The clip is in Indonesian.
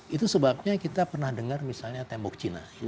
itu sebabnya kita pernah dengar misalnya tembok cina